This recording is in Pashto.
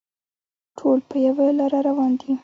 ټول په یوه لاره روان دي.